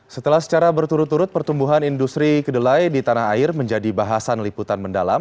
setelah secara berturut turut pertumbuhan industri kedelai di tanah air menjadi bahasan liputan mendalam